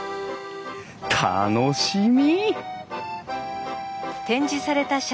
楽しみ！